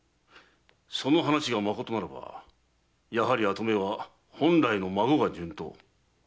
その話がまことならばやはり跡目は本来の孫が順当。